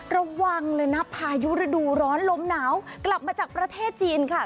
ระวังเลยนะพายุฤดูร้อนลมหนาวกลับมาจากประเทศจีนค่ะ